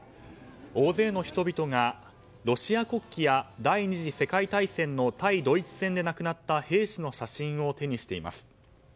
大勢の人々がロシア国旗や第２次世界大戦の対ドイツ戦で亡くなった兵士の写真を手にしています。